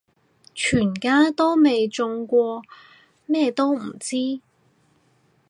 全家都未中過咩都唔知